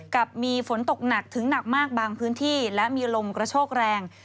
กับมีฝนตกหนักถึงหนักมากบางพื้นที่และมีลมกระโชกแรง